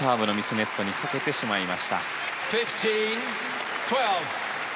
ネットにかけてしまいました。